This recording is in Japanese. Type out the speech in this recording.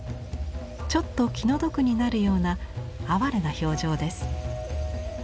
ちょっと気の毒になるような哀れな表情です。